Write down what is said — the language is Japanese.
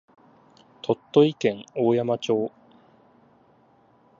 鳥取県大山町